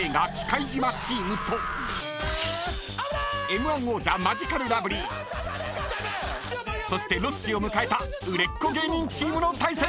［Ｍ−１王者マヂカルラブリーそしてロッチを迎えた売れっ子芸人チームの対戦です］